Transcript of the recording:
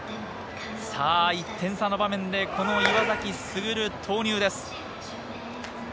１点差の場面でこの岩崎優、投入です。